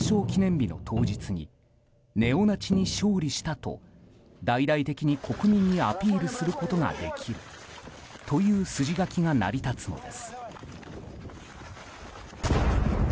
記念日の当日にネオナチに勝利したと大々的に国民にアピールすることができるという筋書きが成り立つのです。